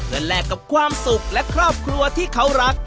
เพื่อแลกกับความสุขและครอบครัวที่เขารัก